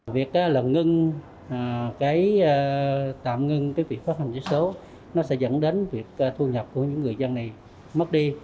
việc tạm ngưng việc phát hành vé số sẽ dẫn đến việc thu nhập của những người dân này mất đi